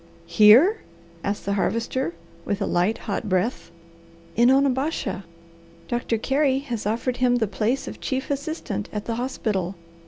"Here?" asked the Harvester with a light, hot breath. "In Onabasha! Doctor Carey has offered him the place of chief assistant at the hospital.